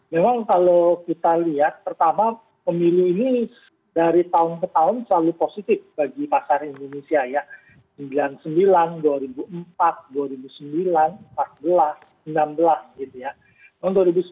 memang kalau kita lihat pertama pemilu ini dari tahun ke tahun selalu positif bagi pasar indonesia ya